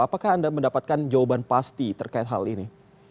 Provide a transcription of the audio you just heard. apakah anda mendapatkan jawaban pasti terkait hal ini